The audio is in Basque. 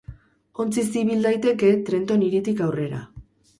Ontziz ibil daiteke Trenton hiritik aurrera.